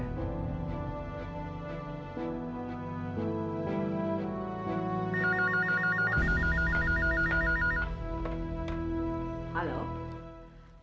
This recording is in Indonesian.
dbp dapat bantunya biasanya